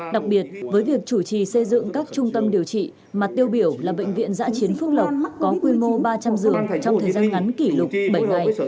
đặc biệt với việc chủ trì xây dựng các trung tâm điều trị mà tiêu biểu là bệnh viện giã chiến phước lộc có quy mô ba trăm linh giường trong thời gian ngắn kỷ lục bảy ngày